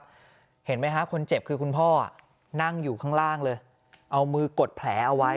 เห็นไหมฮะคนเจ็บคือคุณพ่อนั่งอยู่ข้างล่างเลยเอามือกดแผลเอาไว้